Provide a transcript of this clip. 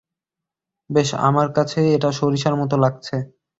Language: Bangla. বেশ, আমার কাছে এটা সরিষার মতো লাগছে।